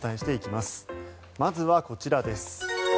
まずはこちらです。